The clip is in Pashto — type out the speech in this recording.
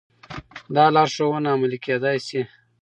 دا لارښوونه عملي کېدای شي.